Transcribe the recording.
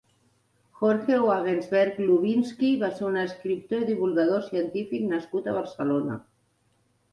Jorge Wagensberg Lubinski va ser un escriptor i divulgador científic nascut a Barcelona.